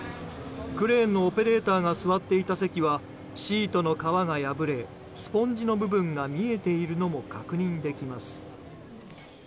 クレーンのオペレーターが座っていた席はシートの皮が破れスポンジの部分が見えているのも確認できます。